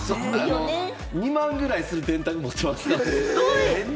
２万ぐらいする電卓持ってますから。